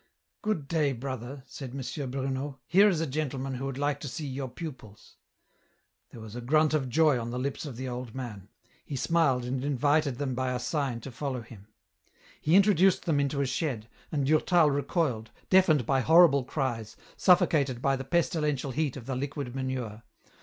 " Good day, brother," said M. Bruno ;" here is a gentle man who would like to see your pupils." There was a grunt of joy on the lips of the old man. He smiled and invited them by a sign to follow him. He introduced them into a shed, and Durtal recoiled, deafened by horrible cries, suffocated by the pestilentiel heat of the liquid manure.